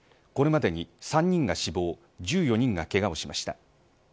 これまでに３人が死亡１４人がけがをしました。